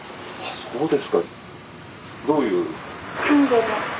そうです。